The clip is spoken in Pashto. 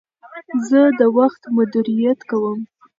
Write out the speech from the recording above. زه د وخت مدیریت کوم.